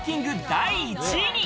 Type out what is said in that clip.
第１位。